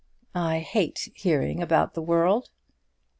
"I hate hearing about the world."